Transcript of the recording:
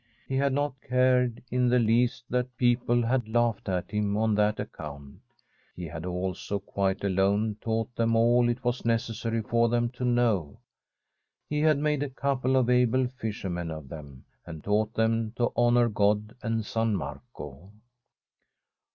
He had not cared in the least that people had laughed at him on that account. He had also, quite alone, taught them all it was necessary for them to know. He had made a couple of able fishermen of them, and taught them to honour God and San Marco.